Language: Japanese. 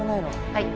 はい。